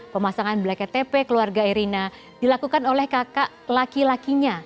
pemasangan blacket tp keluarga erina dilakukan oleh kakak laki lakinya